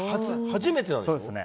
初めてなんでしょ。